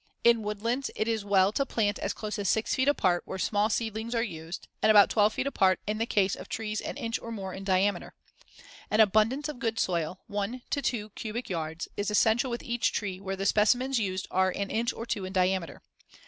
In woodlands, it is well to plant as close as six feet apart where small seedlings are used and about twelve feet apart in the case of trees an inch or more in diameter. An abundance of good soil (one to two cubic yards) is essential with each tree where the specimens used are an inch or two in diameter.